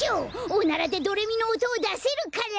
おならでドレミのおとをだせるから！